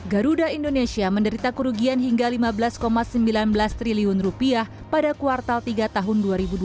garuda indonesia menderita kerugian hingga lima belas sembilan belas triliun pada kuartal tiga tahun dua ribu dua puluh